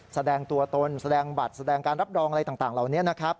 แสดงตัวตนแสดงบัตรแสดงการรับรองอะไรต่างเหล่านี้นะครับ